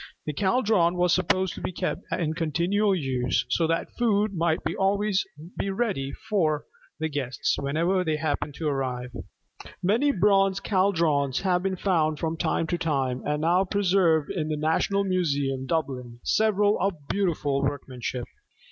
The caldron was supposed to be kept in continual use, so that food might be always ready for guests whenever they happened to arrive. Many bronze caldrons have been found from time to time, and are now preserved in the National Museum, Dublin several of beautiful workmanship.